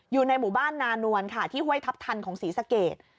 อยู่ในหมู่บ้านนานวลค่ะที่ห้วยทัพทันของศรีสะเกด